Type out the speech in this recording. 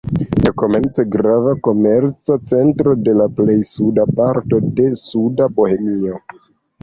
Dekomence grava komerca centro de la plej suda parto de Suda Bohemio.